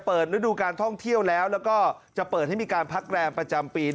ฤดูการท่องเที่ยวแล้วแล้วก็จะเปิดให้มีการพักแรมประจำปี